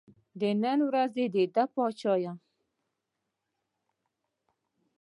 نن ورځ دا دی پاچا یم.